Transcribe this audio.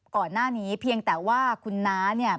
ก่อนหน้านี้เพียงแต่ว่าคุณน้าเนี่ย